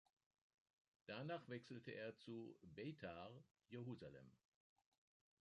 Danach wechselte er zu Beitar Jerusalem.